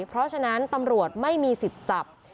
เพราะฉะนั้นตำรวจไม่มีสิทธิ์จับ